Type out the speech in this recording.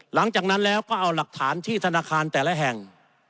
หลังจากนั้นแล้วก็เอาหลักฐานที่ธนาคารแต่ละแห่ง